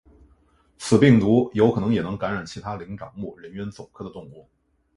此病毒有可能也能感染其他灵长目人猿总科的动物。